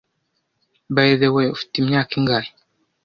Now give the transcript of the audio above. By the way, ufite imyaka ingahe?